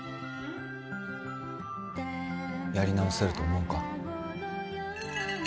やり直せると思うか？